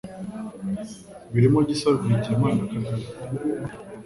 barimo Gisa Rwigema na Kagame